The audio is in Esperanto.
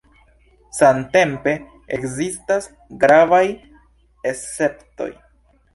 Samtempe, ekzistas gravaj esceptoj.